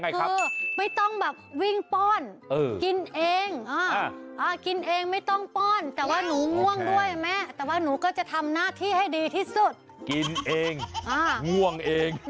เลยนะครับกินเองไม่ต้องป้อนแต่ว่าหนูง่วงด้วยแม่แต่ว่าหนูก็จะทำหน้าที่ให้ดีที่สุดกินเองง่วงเอง